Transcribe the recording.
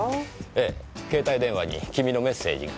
えぇ携帯電話に君のメッセージが。